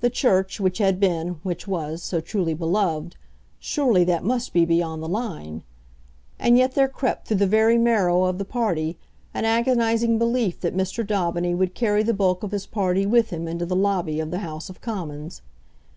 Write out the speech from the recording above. The Church, which had been, which was, so truly beloved; surely that must be beyond the line! And yet there crept through the very marrow of the party an agonising belief that Mr. Daubeny would carry the bulk of his party with him into the lobby of the House of Commons.